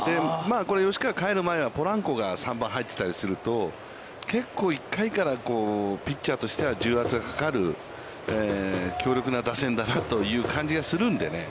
これ、吉川が帰る前はポランコが３番に入ってたりすると、結構１回からピッチャーとしては重圧がかかる強力な打線だなという感じがするのでね。